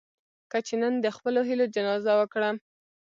کچې نن دې د خپلو هيلو جنازه وکړه.